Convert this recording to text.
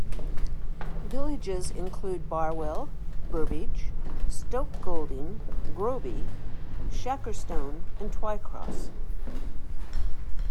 Villages include Barwell, Burbage, Stoke Golding, Groby, Shackerstone and Twycross.